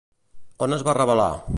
On es va revelar?